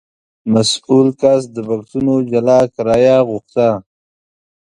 مسوول کس د بکسونو جلا کرایه غوښته.